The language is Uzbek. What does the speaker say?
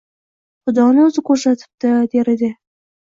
Xudoni o‘zi ko‘rsatibdi, der edi, — dedi.